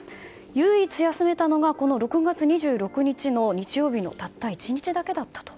唯一休めたのが６月２６日の日曜日のたった１日だけだったと。